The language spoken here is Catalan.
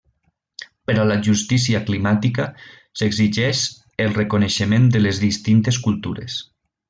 Per a la justícia climàtica s'exigeix el reconeixement de les distintes cultures.